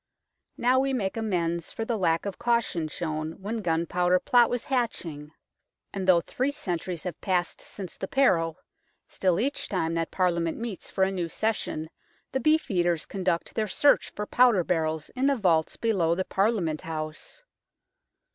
Now we make amends for the lack of caution shown when Gunpowder Plot was hatching, and 166 UNKNOWN LONDON though three centuries have passed since the peril, still each time that Parliament meets for a new session the Beefeaters conduct their search for powder barrels in the vaults below the Parliament House.